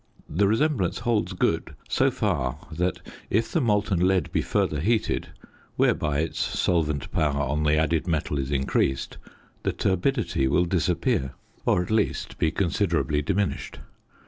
The resemblance holds good so far that if the molten lead be further heated, whereby its solvent power on the added metal is increased, the turbidity will disappear, or at least be considerably diminished.